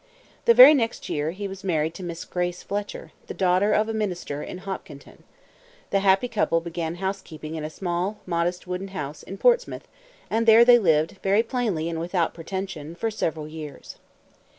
The very next year, he was married to Miss Grace Fletcher, the daughter of a minister in Hopkinton. The happy couple began housekeeping in a small, modest, wooden house, in Portsmouth; and there they lived, very plainly and without pretension, for several years.